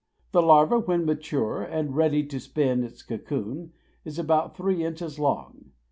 The larva, when mature and ready to spin its cocoon, is about three inches long.